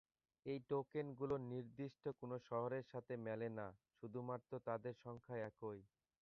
এই টোকেনগুলো নির্দিষ্ট কোন শহরের সাথে মেলে না, শুধুমাত্র তাদের সংখ্যা একই।